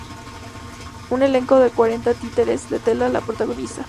Un elenco de cuarenta títeres de tela la protagoniza.